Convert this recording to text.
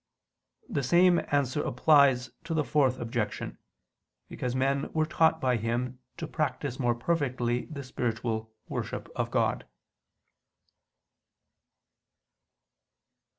The same answer applies to the Fourth Objection: because men were taught by Him to practice more perfectly the spiritual worship of God.